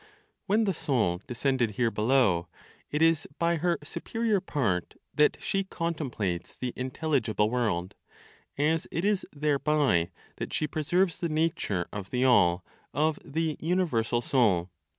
When the soul descended here below, it is by her superior part that she contemplates the intelligible world, as it is thereby that she preserves the nature of the all (of the universal Soul).